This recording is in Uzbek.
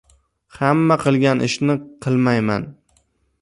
Hamma qilgan ishni qilmayman